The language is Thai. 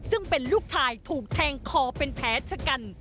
ซึ่งเป็นลูกชายถูกแทงคอเป็นแผลชะกัน